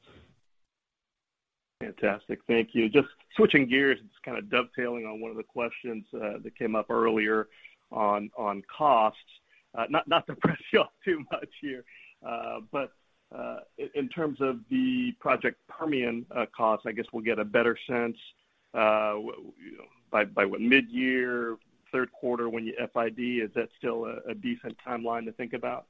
Fantastic. Thank you. Just switching gears, just kind of dovetailing on one of the questions that came up earlier on, on costs. Not, not to press you all too much here, but in terms of the Project Permian costs, I guess we'll get a better sense by, by what? Midyear, third quarter, when you FID, is that still a decent timeline to think about?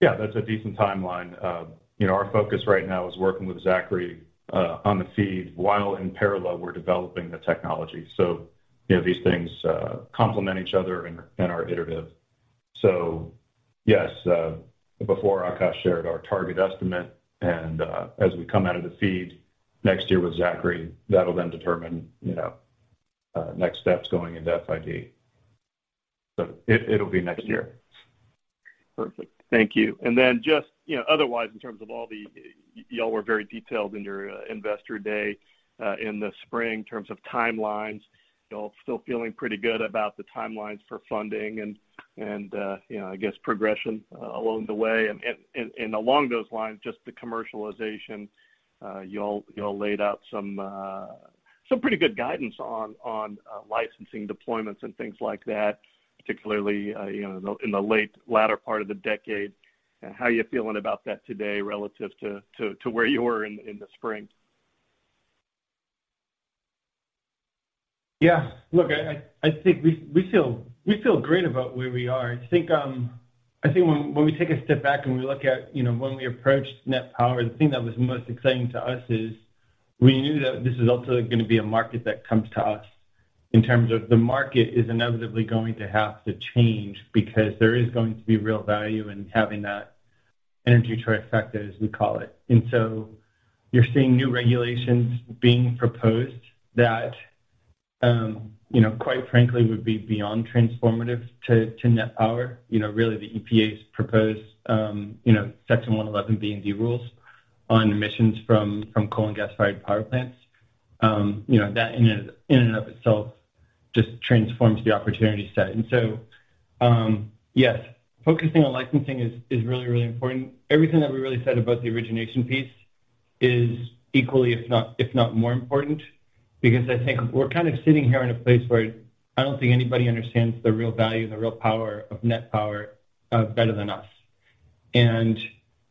Yeah, that's a decent timeline. you know, our focus right now is working with Zachry, on the FEED, while in parallel, we're developing the technology. you know, these things complement each other and are iterative. Yes, before Akash shared our target estimate, and, as we come out of the FEED next year with Zachry, that'll then determine, you know, next steps going into FID. It'll be next year. Perfect. Thank you. Then just, you know, otherwise, in terms of all the... Y'all were very detailed in your Investor Day in the spring in terms of timelines. Y'all still feeling pretty good about the timelines for funding and, and, you know, I guess progression along the way. Along those lines, just the commercialization, y'all, y'all laid out some pretty good guidance on, on, licensing deployments and things like that, particularly, you know, in the late latter part of the decade. How are you feeling about that today relative to, to, to where you were in, in the spring? Yeah, look, I, I, I think we, we feel, we feel great about where we are. I think, I think when, when we take a step back and we look at, you know, when we approached NET Power, the thing that was most exciting to us is we knew that this is ultimately gonna be a market that comes to us in terms of the market is inevitably going to have to change, because there is going to be real value in having that Energy Trifecta, as we call it. So you're seeing new regulations being proposed that, you know, quite frankly, would be beyond transformative to, to NET Power. You know, really, the EPA's proposed, you know, Section 111(b) and 111(d) rules on emissions from, from coal and gas-fired power plants. You know, that in and, in and of itself just transforms the opportunity set. Yes, focusing on licensing is, is really, really important. Everything that we really said about the origination piece is equally, if not, if not more important, because I think we're kind of sitting here in a place where I don't think anybody understands the real value and the real power of NET Power better than us.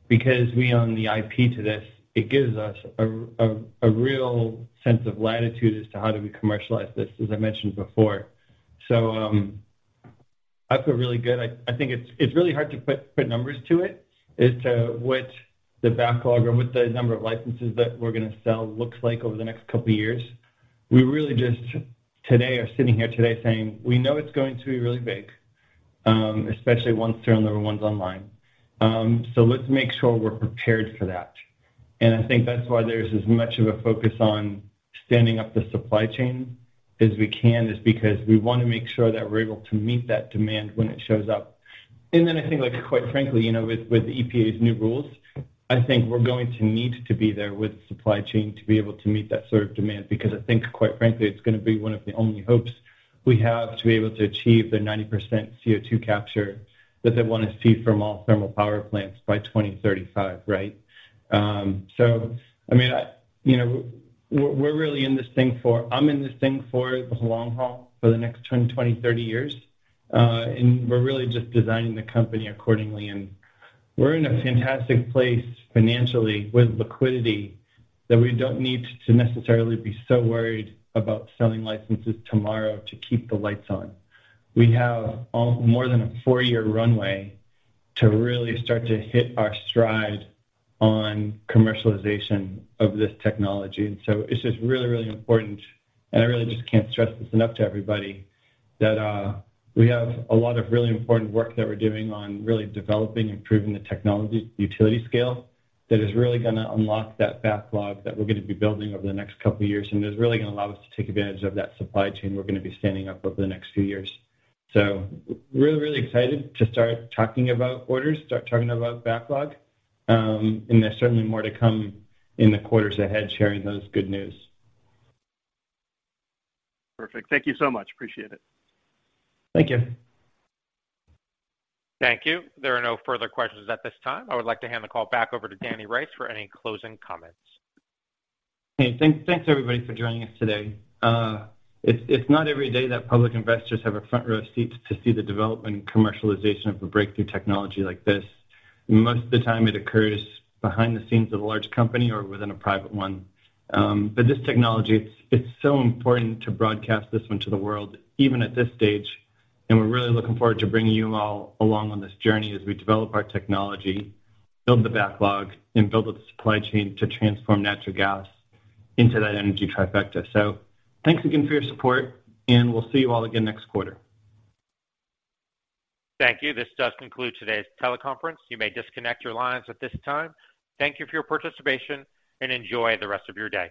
Because we own the IP to this, it gives us a, a, a real sense of latitude as to how do we commercialize this, as I mentioned before. I feel really good. I, I think it's, it's really hard to put, put numbers to it, as to what the backlog or what the number of licenses that we're gonna sell looks like over the next couple of years. We really just today are sitting here today saying, "We know it's going to be really big, especially once serial number one's online. So let's make sure we're prepared for that." I think that's why there's as much of a focus on standing up the supply chain as we can, is because we want to make sure that we're able to meet that demand when it shows up. Then I think, like, quite frankly, you know, with, with the EPA's new rules, I think we're going to need to be there with supply chain to be able to meet that sort of demand, because I think, quite frankly, it's gonna be one of the only hopes we have to be able to achieve the 90% CO2 capture that they want to see from all thermal power plants by 2035, right? I mean, I... You know, we're, we're really in this thing for-- I'm in this thing for the long haul, for the next 10, 20, 30 years. We're really just designing the company accordingly, and we're in a fantastic place financially with liquidity, that we don't need to necessarily be so worried about selling licenses tomorrow to keep the lights on. We have all-- more than a four-year runway to really start to hit our stride on commercialization of this technology. It's just really, really important, and I really just can't stress this enough to everybody, that we have a lot of really important work that we're doing on really developing and improving the technology utility scale, that is really gonna unlock that backlog that we're gonna be building over the next couple of years, and is really gonna allow us to take advantage of that supply chain we're gonna be standing up over the next few years. Really, really excited to start talking about orders, start talking about backlog. There's certainly more to come in the quarters ahead, sharing those good news. Perfect. Thank you so much. Appreciate it. Thank you. Thank you. There are no further questions at this time. I would like to hand the call back over to Danny Rice for any closing comments. Hey, thank, thanks everybody for joining us today. It's, it's not every day that public investors have a front-row seat to see the development and commercialization of a breakthrough technology like this. Most of the time, it occurs behind the scenes of a large company or within a private one. But this technology, it's so important to broadcast this one to the world, even at this stage, and we're really looking forward to bringing you all along on this journey as we develop our technology, build the backlog, and build up the supply chain to transform natural gas into that Energy Trifecta. Thanks again for your support, and we'll see you all again next quarter. Thank you. This does conclude today's teleconference. You may disconnect your lines at this time. Thank you for your participation, and enjoy the rest of your day.